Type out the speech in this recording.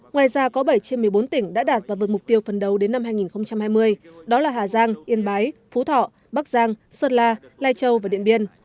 ngoài ra có bảy trên một mươi bốn tỉnh đã đạt và vượt mục tiêu phần đầu đến năm hai nghìn hai mươi đó là hà giang yên bái phú thọ bắc giang sơn la lai châu và điện biên